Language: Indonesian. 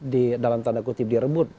di dalam tanda kutip direbut